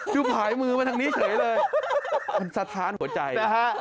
ก็ผายมือมาทางนี้เฉยเลยมันสะท้านหัวใจ